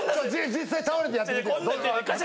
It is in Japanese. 実際倒れてやってみてよ。